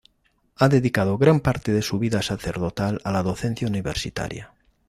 Ha dedicado gran parte de su vida sacerdotal a la docencia universitaria.